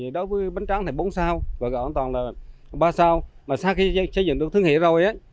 đối với bánh trắng bốn sao và gạo an toàn ba sao sau khi xây dựng được thương hiệu rồi